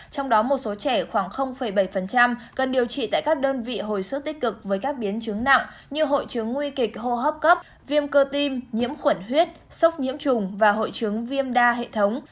trong đó một số trẻ khoảng bảy cần điều trị tại các đơn vị hồi sức tích cực với các biến chứng nặng như hội chứng nguy kịch hô hấp cấp viêm cơ tim nhiễm khuẩn huyết sốc nhiễm trùng và hội chứng viêm đa hệ thống